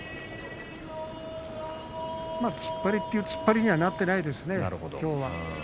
まあ突っ張りという突っ張りにはなっていないですね、きょうは。